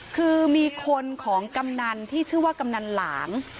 คือมีคนของกำนันที่ชื่อว่ากำนันหลาง